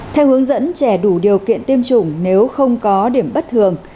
theo hướng dẫn trẻ đủ điều kiện tiêm chủng nếu không có điểm bất thường